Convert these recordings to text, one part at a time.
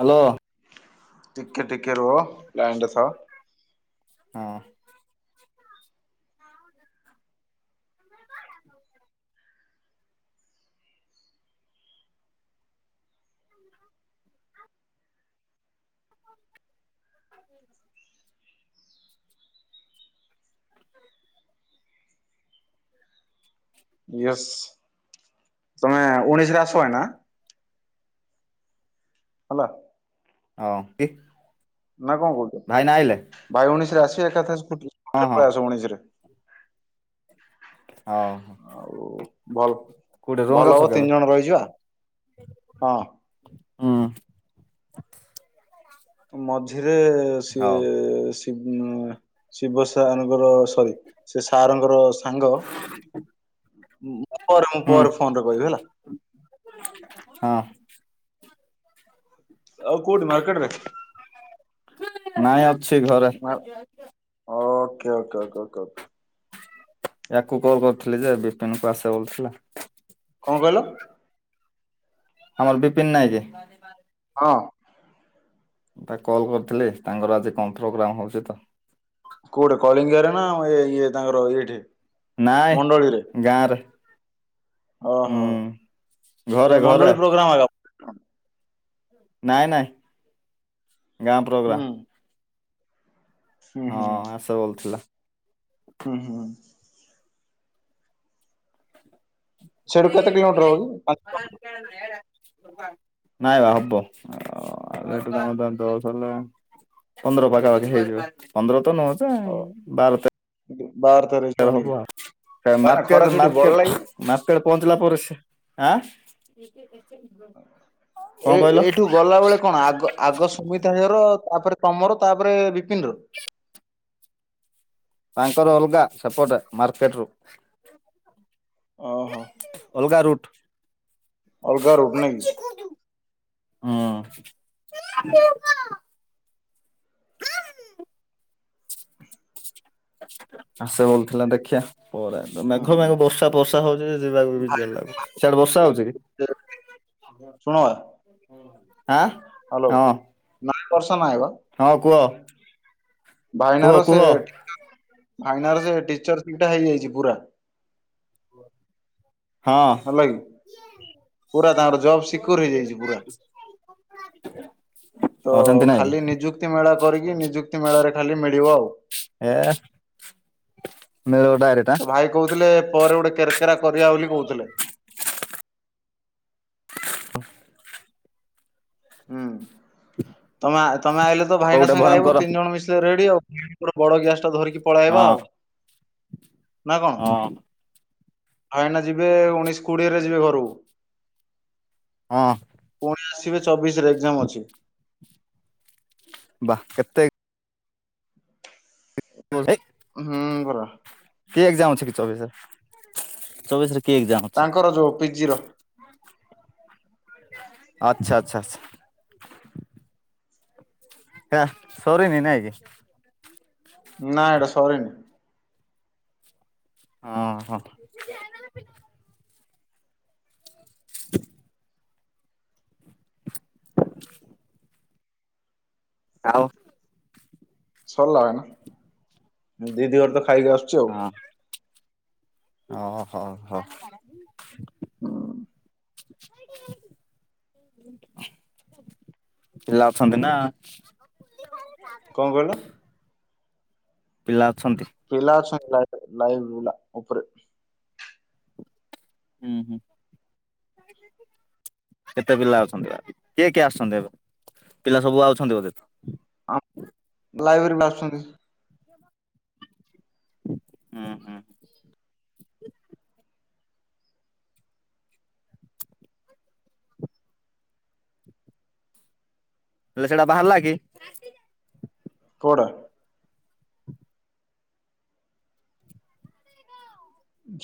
Hello. ଟିକେ ଟିକେ ରୁହ ଲାଇନ୍ ରେ ଥାଅ। ହଁ। ହ। [inaudible] ୟସ୍ ତମେ ଉଣେଇଶିରେ ଆସି ବନା। ହେଲା ହଁ କି ନା କଣ କହୁଛ ଭାଇ ଭଉଣୀ ସାରା ଆସି ସେଇ କଥା ହଁ ହଁ କେବେ ଆସିବ ଉଣେଇଶିରେ ହଉ ଆଉ ଭଲ କୋଉଠି ରୁମରେ ଭଲ ଅଛ ହବ କି ଏବେ? ତିନି ଜଣ ରହିଯ ହଁ ହୁଁ ମଝି ସେ ହଉ ସେ ଶିବ ସାର୍ ଙ୍କର ସରି ସେ ସାରଙ୍କର ସାଙ୍ଗ ହୁଁ ପରେ ମୁଁ ହୁଁ ପରେ ଫୋନରେ କହିବି ହେଲା [unintelligible] ହଁ ଆଉ କଉଠି ମାର୍କେଟ ରେ ନାଇଁ ଅ [inaudible] ଅ ସେ ଘରେ [inaudible] କା କା କା କା ୟାକୁ କଲ କରିୁଥିଲି ଯେ ବିପିନ କୁ ଆସିବା ବଲଥିଲା [unintelligible] କଣ କହିଲ ଆମର ବିପିନ ନହିଁକ [unintelligible] ହଁ ମୁଁ ତା କଲ୍ କରିଥିଲି ତାଙ୍କର ଆଜି କଣ୍ଥଗ୍ରାମ ହଉଛି ତ। କୋଉଠି କଳିଙ୍ଗରେ ନା ଇଏ ତାଙ୍କର ଏଇଠି ନାଇଁ ମଣ୍ଡଳୀରେ ଗାଁରେ ଓହୋ ହୁଁ ଘରେ ଏ ଘରେ ମଣ୍ଡଳି ପ୍ରୋଗ୍ରାମ କ ନାଇଁ ନାଇଁ ଗାଁ ହୁଁ ପ୍ରୋଗ୍ରାମ ହୁଁ ହଁ ହୁଁ ଆସ ବଲ ଥିଲା [unintelligible] ହୁଁ ହୁଁ ସେଠୁ ନ କେତେ ଏଇଠୁ କିଲୋମିଟର କିଇ ହବ କି? ପାଞ୍ଚ- ମ କାରଣ [inaudible] ନାଇଁ ବା ହବ ଆଠୁ ଜଣଥା ହେଲେ ପନ୍ଦର ପାଖାପାଖି ହେଇଯିବ ପନ୍ଦର ତ ନ ତ ବାର ତାରଖ [inaudible] ହ [inaudible] ହବ ନା ଖରା ମାର୍କେଟ ଛୁଟି ବଳ ମାର୍କେଟ ଲାଗି ମାର୍କେଟ ପହଞ୍ଚିଲା ପରେ ସେ ଆାଁ ଏ ଏଇଠୁ ଗଲାବେେଳେ କଣ ଆଗ ଆଗ ସୁମିଥା ହେର ତାପରେ ତମର ତାପରେ ବିପିନ ର। ତାଙ୍କର ଅଲଗା ସପୋର୍ଟ ମାର୍କେଟରୁ। ଓହୋ ଅଲଗା ରୁଟ। ଅ ଘର ଉଠ ହୁଁ [unintelligible] ଆସ ଭଲଥିଲା ଦେଖିିବା। ପରେ ହୁଁ, ମେଘ ହୁଁ। ମେଘ ବର୍ଷା ବର୍ଷା ହଉ ଯିବାକୁ ବି ଭାଇ [unintelligible] ସେଆଡେ ବର୍ଷା ହଉଛି କି? ଶୁଣ ବା, ଆଁ ହ୍ୟାଲୋ ହଁ ନାଇଁ ବର୍ଷ ନାଇଁ ବା ହଁ କୁହ କୁହ ଭାଇନାର ସେ କୁହ ଟିକ୍ ଫାଇନା ସେ ଟିଚର ସିଟଟା ହେଇଯାଇଛି ପୁରା। ହଁ ହେଲା କି ପୁରା ତାଙ୍କର ଜବ ସିକ୍ୟୋର ହେଇଯାଇଛି ପୁରା ହଁ ତ ସେମିତି ନାଇଁ କି ଖାଲି ନିଯୁକ୍ତି ମେଳା କରିକି ନିଯୁକ୍ତି ମେଳାରେ ମିଳିବ ଆଉ। ଏ ମିଳିବ ଡାଇରେକ୍ଟ ଆଁ ତ ଭାଇ କହୁଥିଲେ ପରେ ଗୋଟେ କେରକେରା କରିବା ବୋଲି କହୁଥିଲେ। [inaudible] ହୁଁ ତମେ ତମେ ଆଇଲେ ତ ହବ ଭାଇନା ଗୋଟେ ସାଙ୍ଗେ ଆଇବ ଭୟଙ୍କର ତିନି ଜଣ ମିଶିଲେ ରେଡି ଆଉ ବଡ ଗ୍ୟାସ ଟା ଧରିକି ପଳେଇବା ହଁ ଆଉ। ନା କଣ? ହଁ ହଏନା ଯିବେ ଉଣେଇଶ କୋଡିଏରେ ଯିବେ ଘରକୁ। ହଁ। ଆସିବେ ଚବିଶରେ ଏକ୍ସାମ ଅଛି। ବା କେତେ? [unintelligible] ହୁଁ ପରା। କି ଏକ୍ସମ୍ ଅଛି କି ଚବିଶରେ ଚବିଶରେ କି ଏକ୍ଜାମ ଅଛି ତାଙ୍କର ଯୋଉ ପିଜିର। ଆଚ୍ଛା ଆଚ୍ଛା ଆଛା ହେ ସରିନିନା ନା ଏଇଟା ସରିନି। ଓହ୍ [unintelligible] ଆଉ ସରଲା ଭେ ନା ଦିଦି ଘର ତ ଖାଇକି ଆସୁଛି ଆଉ। ହଁ ଓ ହୋ ହୋ ହଁ। [inaudible] ପିଲ ଅଛନ୍ତି ନା କଣ କହିଲ? ପିଲା ଅଛନ୍ତି ପିଲା ଅଛନ୍ତି। [unintelligible] ଉପରେ ହୁଁ ହୁଁ କେତେ ପିଲା ଅଛନ୍ତି। କିଏ କିଏ ଆସୁଛନ୍ତି ଏବେ। ପିଲା ସବୁ ଆଉଛନ୍ତି ବୋଧେ। ଲାଇବ୍ରେରୀରୁ ଆସୁଛନ୍ତି। ହୁଁ ହୁଁ। ହେଲେ ସେଟା ବାହାରିଲା କି? କୋଉଟା?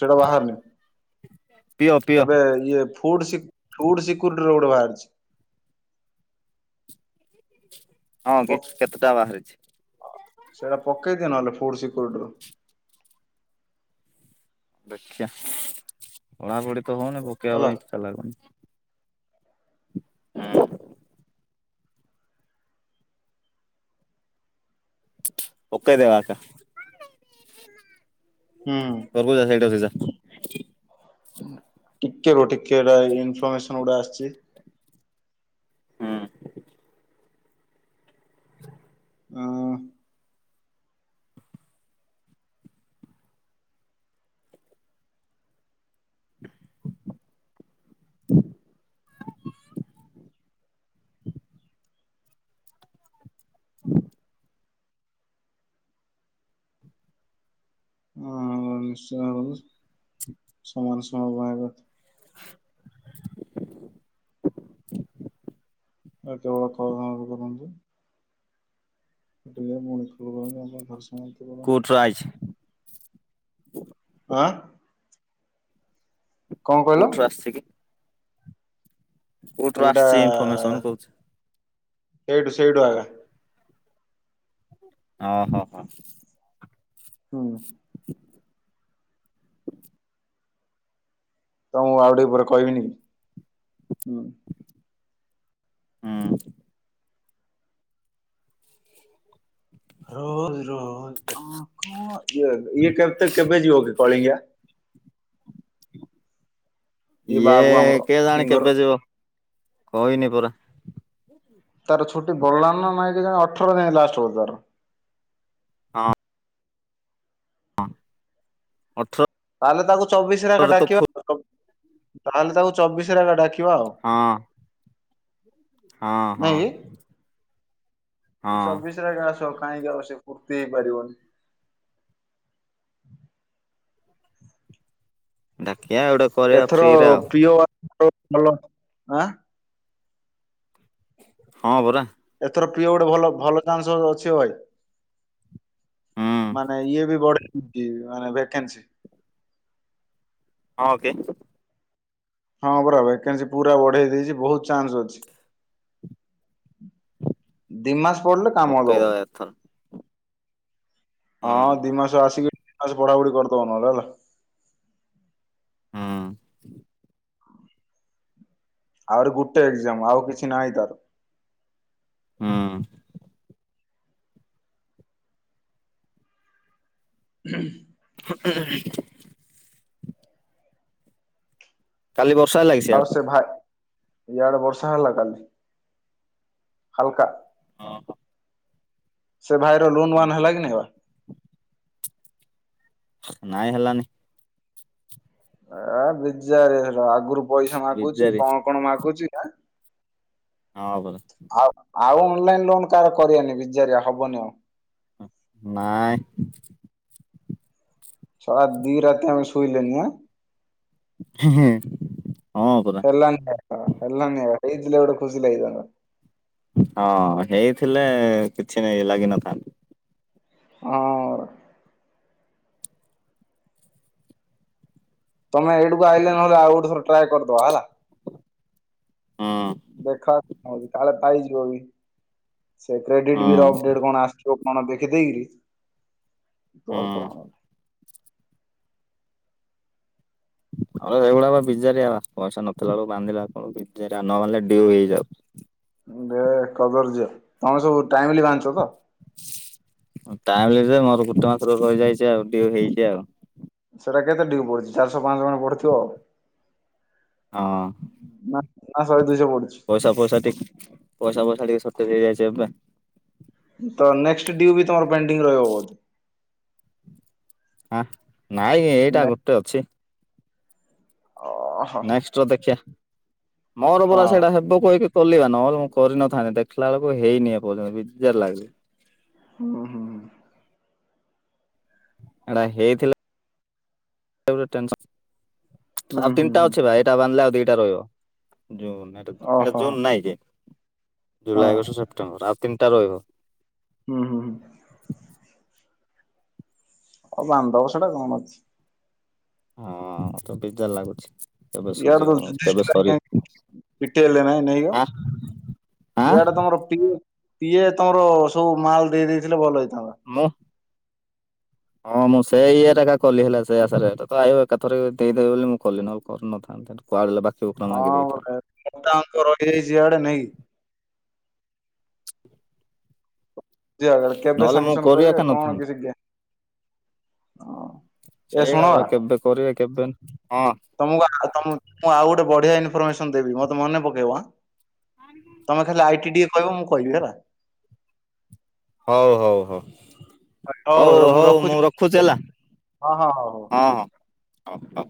ସେଟା ବାହାରନି। ପିଓ ପିଓ ଏବେ ଇଏ ଫୁଡ ସି ଫୁଡ ସିକ୍ୟରିଟି ରୋଡ ବାହାରିଛି। ହଁ କି କେତେଟା ବାହାରିଛି? ସେଇଟା ପକେଇଦିଅ ନହେଲେ ଫୁଡ ସିକ୍ୟୁରିଟିରୁ ଦେଖିଆ ନା କଉଠି ତ ହଉନି ପକାଇବା ହେଲା ପାଇଁ ଇଛା ଲାଗୁନି। ପକେଇ ଦେବା କା ହୁଁ। [inaudible] ଟିକେ ଗୋଟେ କି ଏଟା ଇନଫରମେସନ୍ ଗୁଡା ଆସିଛି। [inaudible] [unintelligible] ହଁ। [unintelligible] [unintelligible] ନିଶ୍ଚୟ ସମାନ ସମୟ ପାଇଁ କେତେ ଏତବେଳ କଣ [inaudible] ଏଠିକ ମୁଣିି [inaudible] କୋର୍ଟରାଜ [unintelligible] ହଁ କୋଟ ରୁ ଆସିକି କୋଟ ରୁ ଆସିଛି ଇନଫର୍ମେସନ କହୁଛି। ଏଇଠୁ ସେଇଡଠୁ ହ ହୋ ହୋ। ହୁଁ। ତ ମୁଁ ଆଉ ଟିକେ ପରେ କହିବିିନିକି ହୁଁ। ରୋଜ ରୋ ଇଏ ଇଏ କେତେ କେବେ ଯିବ କି କଳିଙ୍ଗା? [inaudible] ଇଏ ବାବୁ ଆମର ଇଏ-ଏ-ଏ କେଜାଣି ସିଙ୍ଗର କେବେ ଯିବ? କହିନିି ପରା ତାର ଛୁଟି ବଢିଲାଣି ନା ନାଇଁ କେଜାଣି ଅଠର ଯାଏ ଲାଷ୍ଟ ବୋଧେ ତାର। ହଁ। ହଁ ଅଠର ତାହେଲେ ତାକୁ ଚବିଶରେ ଆକା ଡାକିବା ଆଉ। ତାହେଲେ ତାକୁ ଚବିଶରେ ରା ରା ଡାକି ହଁ। ହଁ ହଁ। ହଁ ଚବିଶ ଏରା ଏକା ଆସ କାହିଁକି ଆଉ ଏତେ ଫୁର୍ତ୍ତି ହେଇପାରିବନି। [unintelligible] କରିବା ଏଥର ଫ୍ରିରେ ଆଉ ପ୍ରିୟ [inaudible] ଭଲ ଆଁ ହଁ ପରା ତୋର ପ୍ରିୟ ଗୋଟେ ଭଲ ଭଲ ଚାନ୍ସରା ଅଛି ଓଏ। ହୁଁ ମାନେ ଇଏ ବି ବଡ ହେଇଚି - ମୋର ଏବେ ଭାକେନ୍ସି ହଁ ଓକେ। ହଁ ପରା ଭେକେନ୍ସି ପୁରା ବଢେଇ ଦେଇଛି ବହୁତ ଚାନ୍ସ ଅଛି। ଦି ମାସ ପଢିଲେ କାମ ଦବ। ପକେଇଦବା ଏଥର ହୁଁ ହଁ ଦି ମାସ ଆସିକି ଆଉ ସେ ପଢାପଢ଼ି କରିଦେବ ନହେଲେ ହେଲା। ହୁଁ। ଆହୁରି ଗୋଟେ ଏକ୍ଜାମ ଆଉ କିଛି ନାହିଁ ତାର। ହୁଁ। [inaudible] [inaudible] କାଲି ବ ବର୍ଷା ଲାଗିଚି ଆଉ ସିଆଡେ। ସେ ଭାଇ ଇଆଡେ ବର୍ଷା ହେଲା କାଲି। ହାଲକା ହଁ। ସେ ଭାଇର ଲୁନ୍ ୱାନ୍ ହେଲା କି ନାଇ ବା। ନାଇଁ ହେଲାନି। [unintelligible] ପଇସା ମାଗୁଚି ବିଜାରି କଣ କଣ ମାଗୁଚି। କ [unintelligible] ହଁ ଆବ ଆଉ ଅନଲାଇନ ଲୋନ କାହାର କରନି ବିଚାରିଆ ହବନି ଆଉ‌। ନାଇଁ। ସଳ ଦୀରାତି ଆମେ ଶୋଇଲେନି ନା। ହୁଁ। ହେଲାନି ସେଇଥିଲା ଗୋଟ ଖୁସିିଲାଗିଥାନ୍ତା। ହଁ ହେଇଥିଲେ କିଛି ଲାଗିନଥାନ୍ତା। ହ। ତମେ ଏଇଠୁକୁ ଆଇିଲ ନହେଲେ ଆଉ ଗୋଠେ ଥର ଟ୍ରାଏ କରିଦବା ହେଲା। ହୁଁ ଦେଖା ହଉ କାଳେ ପାଇଯିବ ବି। ସେ ହୁଁ କ୍ରେଡିଟ୍ ବି ର ଅପଡେଟ୍ କଣ ଆସ ଏଲ କଣ ଦେଖେ ଦେଖିଦେଇକି। ହୁଁ ତର ତ ଆଣ ଆମ ସେଇଭଳିଆ ବିଜାର ପଇସା ନଥିଲାବେେକୁ ବାନ୍ଧିଲା କଣ ବିଜାର ନ ବାଧିଲେ ଡିଉ ହେଇଯାଉ ଦେ କଦର୍ଯ୍ୟ ତମେ ସବୁ ଟାଇମଲି ବାଧିଛ ତ ଟାଇ ମୋର ଗୋଟେ ମାସରୁ ରହିଯାଇଛି ଆଉ ହେଇଛି ଆଉ ସେଟା କେତେ ଡିଉ ପଢିଛି ଚାରିଶହ ପାଞ୍ଚ ଜଣ ପଢୁଥିବ ଆଉ। ହଁ ନା ଆସ ପଇସା ପଇସା ଟିକ ପଇସା ପଇସା କି ସତରେ ହେଇଯିବା ପାଇଁ ତ ନେକ୍ସଟ ଡିୁ ବି ତର ପେଡିଙ୍ଗ ରିବ ବତ ହ। ନାଇଁ ଏଇଟା ନେ ଗୋଟେ ଅଛି। ଓହୋ ନେକ୍ସଟ ଅ ଦେଖିଆ। ମୋରବରା ହଁ ସେଇଟା ହେବ କହିକି ପଲିବା ନହଲେ ମୁଁ କରିନଥାନ୍ତି ଦେଖିଲା ବେଳକୁ ହେଇନି ଏଯ୍ୟନ୍ତ ବିର ଲାଗେ। ହୁ ହୁଁ। ଏଟା ହେଇଥିଲା। ହୁଁ ଆଉ ହୁଁ ତିନିଟା ହୁଁ। ଅଛି ଭାଇ ଏଇା ବାନ୍ଧିଲେ ଆଉ ଦି ଟା ରହିବ ଏଟା ଓହୋ ଜୁନ୍ ନାଇଁକି ହଁ ଜୁଲାଇ, ଅଗଷ୍ଟ, ସେପଟେମ୍ବର ଆଉ ତିନି ଟା ରହିବ। ହୁଁ ହୁଁ ହୁଁ ଓ ବାନ୍ଦଦବ ସେଟା କଣ ଅଛି। ହଁ ତ ବିଜାର ଲାଗୁଛି। କେବେ ଇଆଡେ ସୁଝିବ କେବେ ସରିବ [inaudible] ପିଟି ହେଲେ ନାଇଁ ନାହିଁ ଗୋ ଆଁ ଆଁ ଇଆଡେ ତୋମର ପିଏ ପିଏ ତମର ସବୁ ମାଲ ଦେଇ ଦେଇଥିଲେ ଭଲ ହେଇଥା ମୁଁ ହଁ ମୁଁ ସେଇ ଇଏରେ ଏକା କଲି ହେଲା ସେ ଆଶାରେ ତ ତ ଆୟୁ ଏକାଥରେ ଦେଇ ଦେବେ ବୋଲି ମୁଁ କଲିି ନହେଲେ କରିନଥାନ୍ତି, ତ କୁଆଡେ ଲେ ବା ହଁ ଗୋଟେ [inaudible] ମୋଟା ଅଙ୍କ ରହିଯାଇଛି ଇଆଡେ ନାହିଁ କି। ଯିଏ ଆଇଲା ବେଳେ କେବେ ନହେଲେ ମୁଁ ସାଙ୍ଗସନ୍ କରି ଏକା କରିବେ କଣ କିଛି ଗ୍ୟା ସେଇ ଏକା ପରା କେବେ କରିବା କେବେନ୍ ହଁ ତମକୁ ଆ ତମ ମୁଁ ଆଉ ଗୋଟେ ବଢିଆ ଇନଫର୍ମମେସନ ଦେବି ମୋତେ ମନେ ପକେଇବ ଆଁ। ତମେ ଖାଲି ଆଇଟି ଡି କହିବ ମୁଁ କହିବି ହେଲା। ହଉ ହଉ ହଉ। ହଉ ହଉ ମୁଁ ରଖୁଚି ହେଲା, ହଁ ହଁ ହଉ ହଉ। ହଁ, ହଁ। ଓ, ଓ,